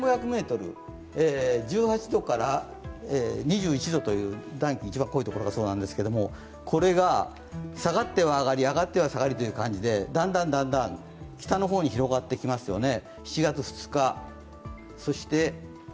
上空１５００ｍ、１８度から２１度という暖気、一番濃いところがそうなんですがこれが下がっては上がり、上がっては下がりという感じで、だんだん北の方に広がってきますよね。